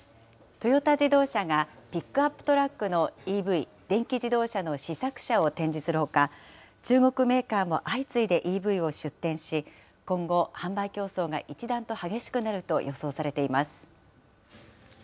トヨタ自動車がピックアップトラックのＥＶ・電気自動車の試作車を展示するほか、中国メーカーも相次いでＥＶを出展し、今後、販売競争が一段と激しくなると予想されています。